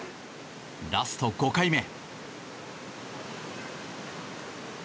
ラスト５回目。